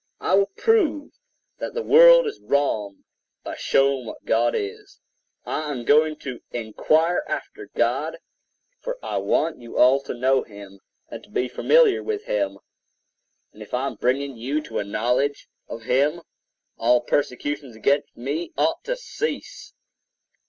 I will prove that the world is wrong, by showing what God is. I am going to enquire after God; for I want you all to know him, and to be familiar with him; and if I am bringing you to a knowledge of him, all persecutions against me ought to cease.